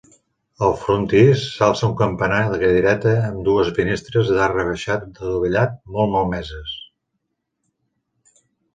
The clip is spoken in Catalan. Al frontis s'alça un campanar de cadireta amb dues finestres d'arc rebaixat, adovellat, molt malmeses.